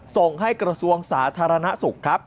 ส่งให้กระทรวงสาธารณสุขครับ